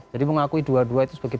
mengakui dua dua itu sebagai